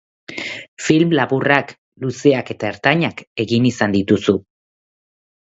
Film laburrak, luzeak eta ertainak egin izan dituzu.